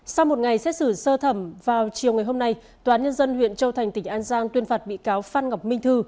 sau một ngày xét xử sơ thẩm vào chiều ngày hôm nay tòa án nhân dân huyện châu thành tỉnh an giang tuyên phạt bị cáo phan ngọc minh thư